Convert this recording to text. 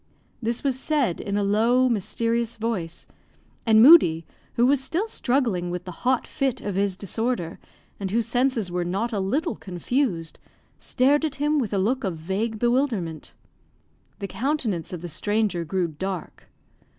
This was said in a low, mysterious voice; and Moodie, who was still struggling with the hot fit of his disorder, and whose senses were not a little confused, stared at him with a look of vague bewilderment. The countenance of the stranger grew dark.